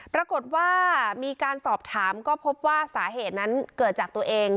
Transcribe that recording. ปรากฏว่ามีการสอบถามก็พบว่าสาเหตุนั้นเกิดจากตัวเอง